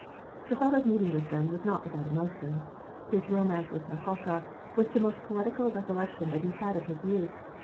The thought of meeting with them was not without emotion. His romance with Natasha was the most poetical recollection that he had of his youth.